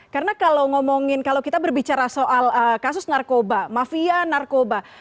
karena kalau ngomongin kalau kita berbicara soal kasus narkoba mafia narkoba